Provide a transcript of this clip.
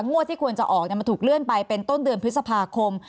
งวดที่ควรจะออกมาถูกเลื่อนไปเป็นต้นเดือนพฤษภาคม